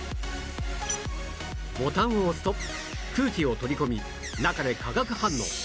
ボタンを押すと空気を取り込み中で化学反応